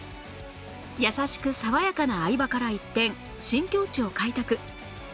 優しく爽やかな相葉から一転新境地を開拓